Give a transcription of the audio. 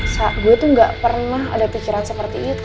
gue tuh gak pernah ada pikiran seperti itu